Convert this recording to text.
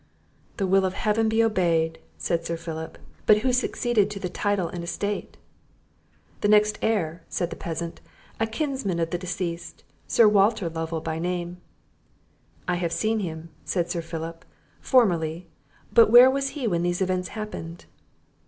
"The will of Heaven be obeyed!" said Sir Philip; "but who succeeded to the title and estate?" "The next heir," said the peasant, "a kinsman of the deceased, Sir Walter Lovel by name." "I have seen him," said Sir Philip, "formerly; but where was he when these events happened?"